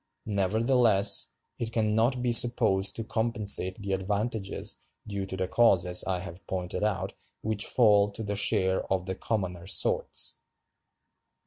Nevertheless, it can not be supposed to compensate the advantages due to the causes I have pointed out which fall to the share of the commoner sorts.